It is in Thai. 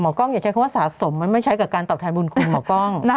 กล้องอย่าใช้คำว่าสะสมมันไม่ใช้กับการตอบแทนบุญคุณหมอกล้อง